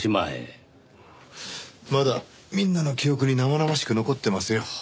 まだみんなの記憶に生々しく残ってますよ。